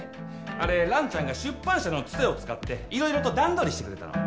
あれ蘭ちゃんが出版社のつてを使っていろいろと段取りしてくれたの。